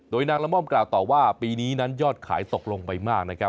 โดยนางละม่อมกล่าวต่อว่าปีนี้นั้นยอดขายตกลงไปมากนะครับ